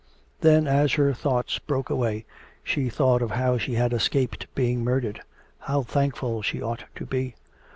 Then, as her thoughts broke away, she thought of how she had escaped being murdered. How thankful she ought to be!